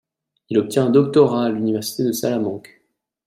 Il obtient un doctorat à l'université de Salamanque.